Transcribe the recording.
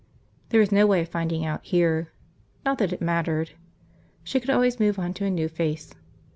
There was no way of finding out, here. Not that it mattered. She could always move on to a new face.